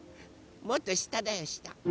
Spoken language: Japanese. もっとしただよした。